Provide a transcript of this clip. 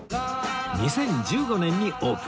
２０１５年にオープン